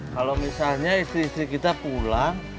kalau misalnya istri istri kita pulang